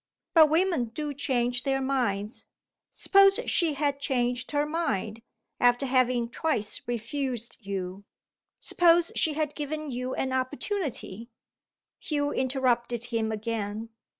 But women do change their minds. Suppose she had changed her mind, after having twice refused you? Suppose she had given you an opportunity " Hugh interrupted him again.